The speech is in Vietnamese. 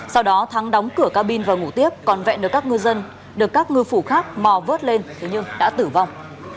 sau đó thắng đóng cửa cabin và ngủ tiếp còn vẹn được các ngư dân được các ngư phủ khác mò vớt lên thế nhưng đã tử vong